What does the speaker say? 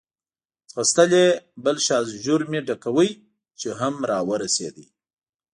ځغستل یې، بل شاژور مې ډکاوه، چې هم را ورسېد.